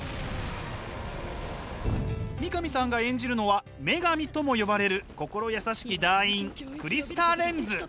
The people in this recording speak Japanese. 三上さんが演じるのは女神とも呼ばれる心優しき団員クリスタ・レンズ。